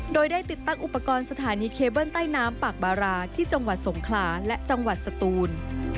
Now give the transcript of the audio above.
โดยได้ติดตั้งอุปกรณ์สถานีเคเบิ้ลใต้น้ำปากบาราที่จังหวัดสงขลาและจังหวัดสตูน